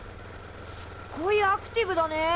すっごいアクティブだね。